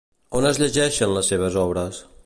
On es llegeixen les seves obres?